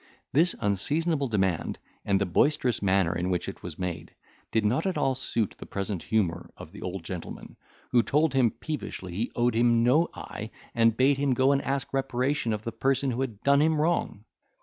This unseasonable demand, and the boisterous manner in which it was made, did not at all suit the present humour of the old gentleman, who told him peevishly he owed him no eye, and bade him go and ask reparation of the person who had done him wrong.